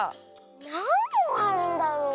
なんぼんあるんだろう。